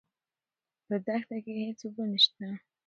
په دښته کې هېڅ اوبه نشته.